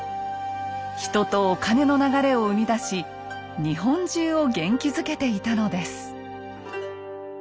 人とお金の流れを生み出し日本中を元気づけていたのです。